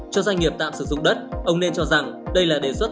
cho doanh nghiệp tạm sử dụng đất ông nên cho rằng đây là đề xuất